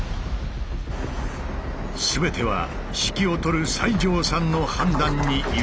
全ては指揮を執る西城さんの判断に委ねられた。